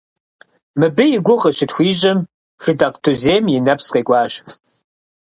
Мыбы и гугъу къыщытхуищӏым, Шыдакъ Тузем и нэпс къекӏуащ.